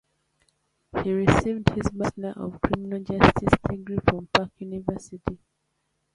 He received his Bachelor of Criminal Justice degree from Park University.